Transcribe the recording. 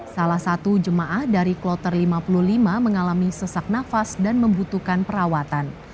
salah satu jemaah dari kloter lima puluh lima mengalami sesak nafas dan membutuhkan perawatan